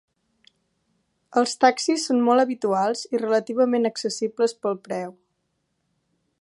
Els taxis són molt habituals i relativament accessibles pel preu.